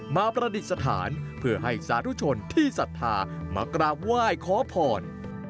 ประดิษฐานเพื่อให้สาธุชนที่ศรัทธามากราบไหว้ขอพร